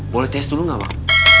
boleh tes dulu nggak bang